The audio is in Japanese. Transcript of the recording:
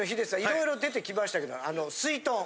色々出てきましたけどすいとん。